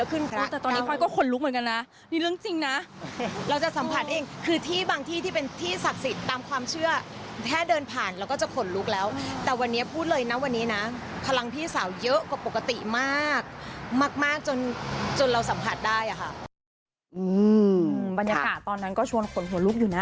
คือเป็นวันที่สัมผัสได้ถึงพี่สาวเยอะที่สุดเลยล่ะค่ะ